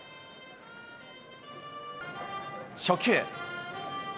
初球。